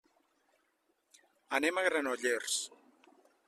Anem a Granollers.